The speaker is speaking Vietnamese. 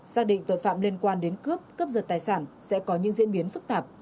xác định tội phạm liên quan đến cướp cướp giật tài sản sẽ có những diễn biến phức tạp